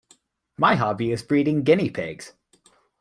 My hobby is breeding guinea pigs